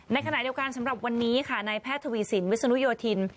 ในขณะเดียวกันสำหรับวันนี้ค่ะนายแพทย์ทวีสินวิศนุโยธิน